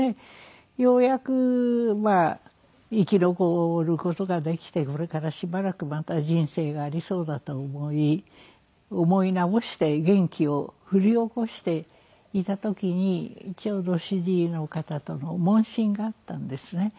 ようやくまあ生き残る事ができてこれからしばらくまた人生がありそうだと思い思い直して元気を振り起こしていた時にちょうど主治医の方との問診があったんですね。